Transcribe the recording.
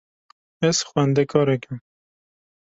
Ez xwendekarek im.